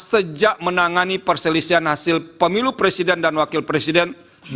sejak menangani perselisihan hasil pemilu presiden dan wakil presiden dua ribu sembilan belas